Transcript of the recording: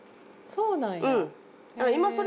そうなんや。